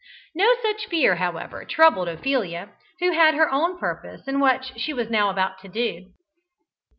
No such fear, however, troubled Ophelia, who had her own purpose in what she was now about to do.